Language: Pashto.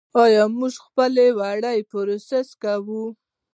آیا موږ خپل وړۍ پروسس کوو؟